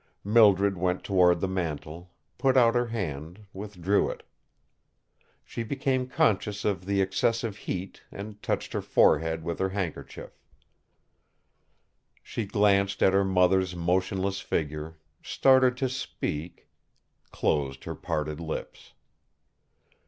Mildred went toward the mantel, put out her hand, withdrew it. She became conscious of the excessive heat and touched her forehead with her handkerchief. She glanced at her mother's motionless figure, started to speak, closed her parted lips.